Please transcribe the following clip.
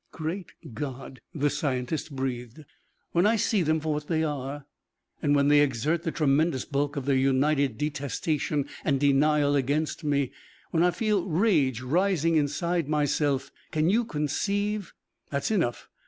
"Great God," the scientist breathed. "When I see them for what they are, and when they exert the tremendous bulk of their united detestation and denial against me, when I feel rage rising inside myself can you conceive ?" "That's enough.